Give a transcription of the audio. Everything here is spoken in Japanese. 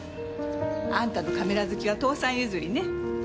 あんたのカメラ好きは父さん譲りね。